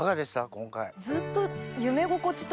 今回。